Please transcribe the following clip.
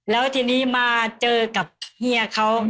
แล้วทีนี้มาเจอกับเฮียเขา